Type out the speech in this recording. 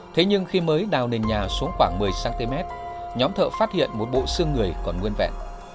thế nhưng khi mới đào nền nhà xuống khoảng một mươi cm nhóm thợ phát hiện một bộ xương người còn nguyên vẹn